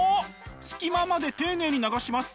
隙間まで丁寧に流します。